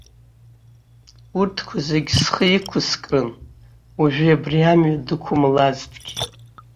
Урҭқәа зегьы схы иқәыскрын, уажәы абри амҩа дықәымлазҭгьы.